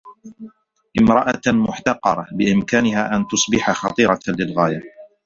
امرأة مُحتقَرة بإمكانها أن تصبح خطيرة للغاية.